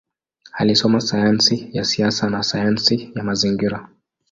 Alisoma sayansi ya siasa na sayansi ya mazingira.